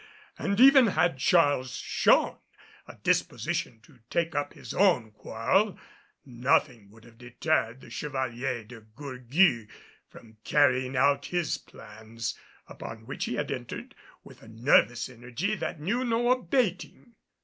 But even had Charles shown a disposition to take up his own quarrel, nothing would have deterred the Chevalier de Gourgues from carrying out his plans, upon which he had entered with a nervous energy that knew no abating.